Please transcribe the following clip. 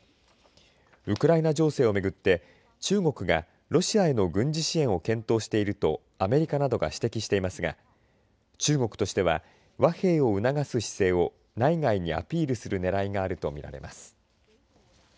ウクライナ情勢を巡って中国がロシアへの軍事支援を検討しているとアメリカなどが指摘していますが中国としては、和平を促す姿勢を内外にアピールするねらいがあると見られます。